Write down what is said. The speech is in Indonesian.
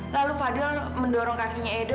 lalu fadil mendorong kakinya edo